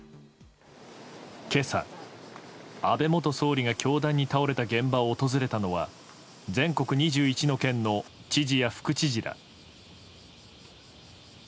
今朝、安倍元総理が凶弾に倒れた現場を訪れたのは全国２１の県の知事や副知事ら。